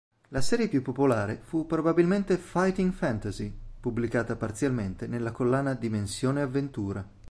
La serie più popolare fu probabilmente Fighting Fantasy, pubblicata parzialmente nella collana Dimensione avventura.